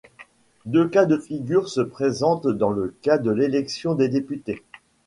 Deux cas de figure se présentent dans le cas de l'élection des députés.